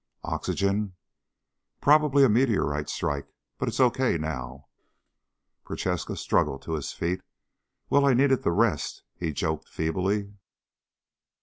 "Oxygen?" "Probably a meteorite strike. But it's okay ... now." Prochaska struggled to his feet "Well, I needed the rest," he joked feebly.